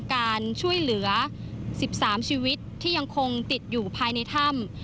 การช่วยเหลือ๑๓ชีวิตที่ยังคงติดอยู่ภายในถ้ำ